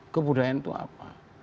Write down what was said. kebudayaan itu apa